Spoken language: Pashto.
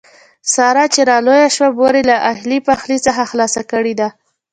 ساره چې را لویه شوه مور یې له اخلي پخلي څخه خلاصه کړې ده.